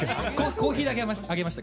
コーヒーだけあげました。